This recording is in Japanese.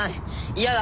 嫌だ！